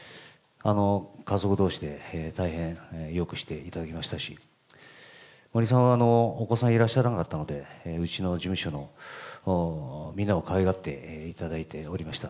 家族どうしで大変よくしていただきましたし、森さんはお子さんいらっしゃらなかったので、うちの事務所のみんなをかわいがっていただいておりました。